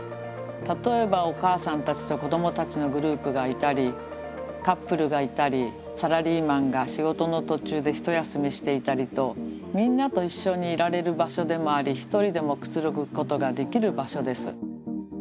例えばお母さんたちと子どもたちのグループがいたりカップルがいたりサラリーマンが仕事の途中でひと休みしていたりとみんなと一緒にいられる場所でもありひとりでもくつろぐことができる場所です。